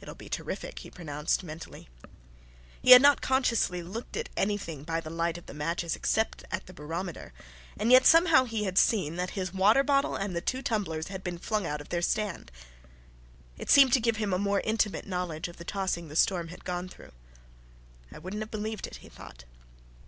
"It'll be terrific," he pronounced, mentally. He had not consciously looked at anything by the light of the matches except at the barometer; and yet somehow he had seen that his water bottle and the two tumblers had been flung out of their stand. It seemed to give him a more intimate knowledge of the tossing the ship had gone through. "I wouldn't have believed it," he thought.